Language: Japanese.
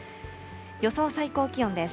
予想最高気温です。